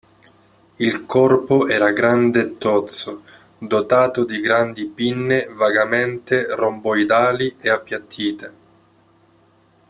Il corpo era grande e tozzo, dotato di grandi pinne vagamente romboidali e appiattite.